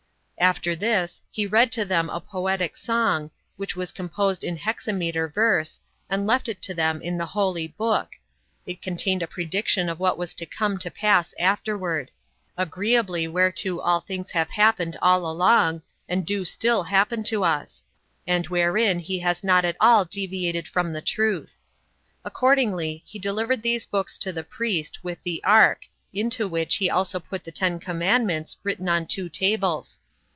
After this, he read to them a poetic song, which was composed in hexameter verse, and left it to them in the holy book: it contained a prediction of what was to come to pass afterward; agreeably whereto all things have happened all along, and do still happen to us; and wherein he has not at all deviated from the truth. Accordingly, he delivered these books to the priest, 34 with the ark; into which he also put the ten commandments, written on two tables.